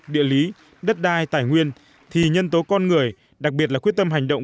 địa lý đất đai tài nguyên thì nhân tố con người đặc biệt là quyết tâm hành động